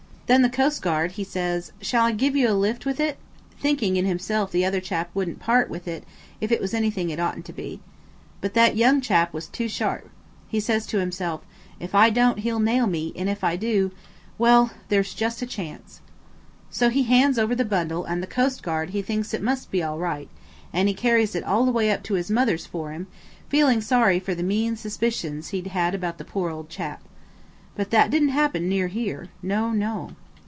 "Then the coastguard he says, 'Shall I give you a lift with it?' thinking in himself the other chap wouldn't part if it was anything it oughtn't to be. But that young chap was too sharp. He says to himself, 'If I don't he'll nail me, and if I do–well, there's just a chance.' "So he hands over the bundle, and the coastguard he thinks it must be all right, and he carries it all the way up to his mother's for him, feeling sorry for the mean suspicions he'd had about the poor old chap. But that didn't happen near here. No, no."